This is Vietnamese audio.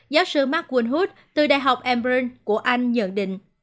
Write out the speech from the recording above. giáo sư mark winhood từ đại học edinburgh của anh nhận định